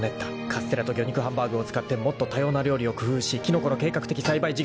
［カステラと魚肉ハンバーグを使ってもっと多様な料理を工夫しキノコの計画的栽培事業にも着手］